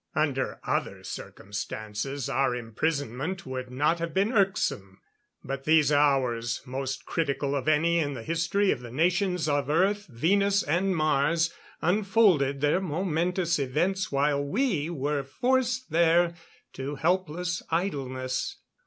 Under other circumstances our imprisonment would not have been irksome. But these hours, most critical of any in the history of the nations of Earth, Venus and Mars, unfolded their momentous events while we were forced there to helpless idleness.